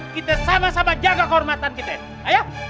kita sama sama jaga kehormatan kita ini ayo